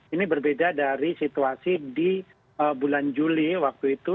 ini berbeda dari situasi di bulan juli waktu itu